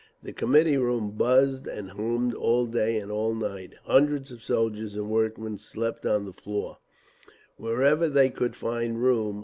The committee rooms buzzed and hummed all day and all night, hundreds of soldiers and workmen slept on the floor, wherever they could find room.